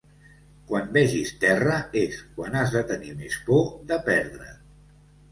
Quan vegis terra és quan has de tenir més por de perdre't.